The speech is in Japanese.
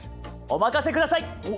お任せください！